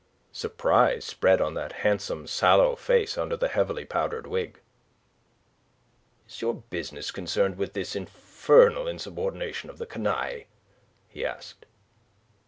Surprise spread on that handsome, sallow face under the heavily powdered wig. "Is your business concerned with this infernal insubordination of the canaille?" he asked.